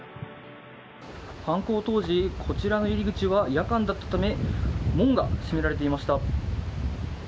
犯行当時、こちらの入り口は夜間だったため門が閉められていました。